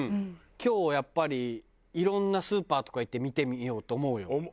今日やっぱりいろんなスーパーとか行って見てみようと思うよ。